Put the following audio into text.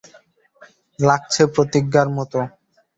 লাগছে প্রতিজ্ঞার মতো।